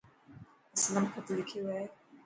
اسلم خطلکيو هي.